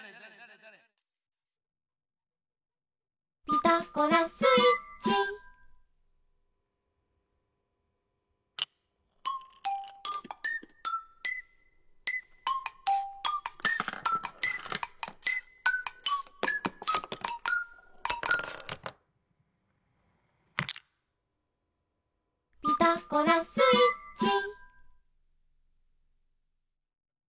「ピタゴラスイッチ」「ピタゴラスイッチ」